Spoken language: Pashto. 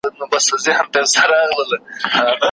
خدای دي نه کړي بل څوک داسي اسکېرلی